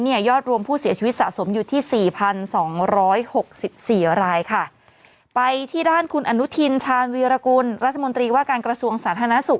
ยอดรวมผู้เสียชีวิตสะสมอยู่ที่สี่พันสองร้อยหกสิบสี่รายค่ะไปที่ด้านคุณอนุทินชาญวีรกุลรัฐมนตรีว่าการกระทรวงสาธารณสุข